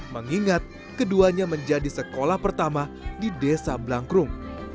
mengingat keduanya menjadi sekolah pertama di desa blangkrum